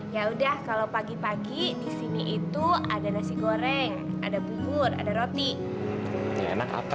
ya udah kalau pagi pagi di sini itu ada nasi goreng ada bubur ada roti